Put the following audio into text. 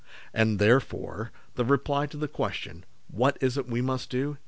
And, therefore, the reply to the question What is it we must do